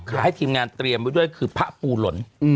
ให้ทีมงานเตรียมไว้ด้วยคือพระปูหล่น